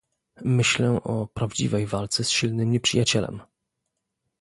"Myślę o prawdziwej walce z silnym nieprzyjacielem."